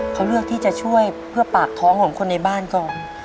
เขาเลือกที่จะช่วยเพื่อปากท้องของคนในบ้านก่อน